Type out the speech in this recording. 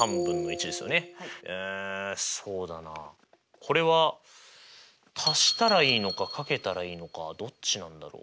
うんそうだなこれはたしたらいいのかかけたらいいのかどっちなんだろう？